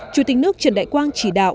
chủ tịch nước trần đại quang chỉ đạo